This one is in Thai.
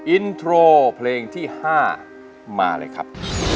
อินโทรเพลงที่๕มาเลยครับ